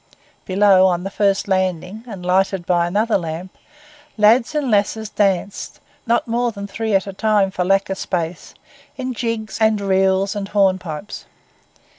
Below, on the first landing, and lighted by another lamp, lads and lasses danced, not more than three at a time for lack of space, in jigs and reels and hornpipes.